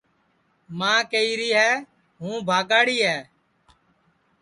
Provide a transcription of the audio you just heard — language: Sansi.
ماں کہیری ہے ہوں بھاگاڑی ہے